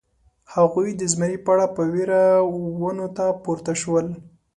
هغوی د زمري په اړه په وېره ونو ته پورته شول.